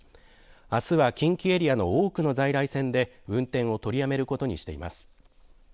あすは近畿エリアの多くの在来線で運転を取りやめることにしています。